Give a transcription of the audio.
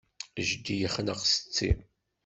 Jeddi yexneq setti.